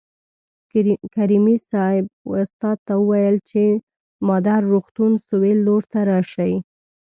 کریمي صیب استاد ته وویل چې مادر روغتون سویل لور ته راشئ.